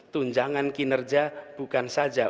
tunjangan kinerja bukan saja